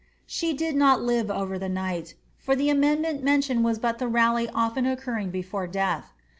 She did not live over the night; for the amendment mentioned was but the rally often occurring before death.